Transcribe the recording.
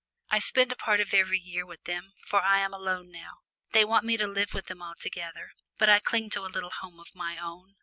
I spend a part of every year with them, for I am alone now. They want me to live with them altogether, but I cling to a little home of my own.